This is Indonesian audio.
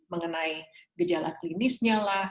mengenai gejala klinisnya lah